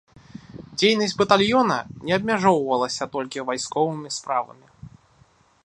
Дзейнасць батальёна не абмяжоўвалася толькі вайсковымі справамі.